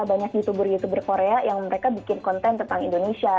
banyak youtuber youtuber korea yang mereka bikin konten tentang indonesia